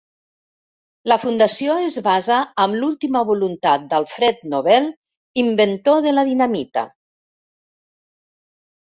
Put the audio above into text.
La Fundació es basa amb l'última voluntat d'Alfred Nobel, inventor de la dinamita.